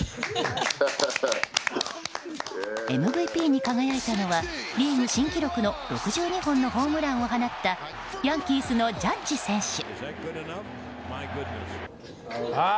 ＭＶＰに輝いたのはリーグ新記録の６２本のホームランを放ったヤンキースのジャッジ選手。